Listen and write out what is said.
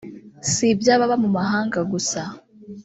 si iby’ababa mu mahanga gusa